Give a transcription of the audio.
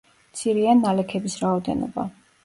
მცირეა ნალექების რაოდენობა.